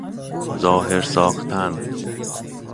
ظاهر ساختن